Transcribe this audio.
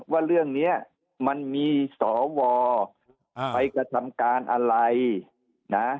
ว่าเรื่องนี้มันมีสวไปกระทำการอะไรนะ